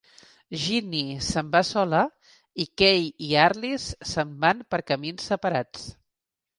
Ginnie s'en va sola, i Kay i Arlis s'en van per camins separats.